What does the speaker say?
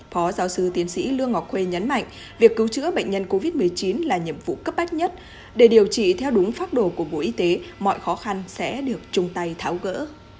phó giáo sư tiến sĩ lương ngọc khuê nhấn mạnh việc cứu chữa bệnh nhân covid một mươi chín là nhiệm vụ cấp bách nhất để điều trị theo đúng phác đồ của bộ y tế mọi khó khăn sẽ được chung tay tháo gỡ